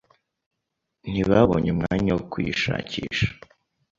Ntibabonye umwanya wo kuyishakisha.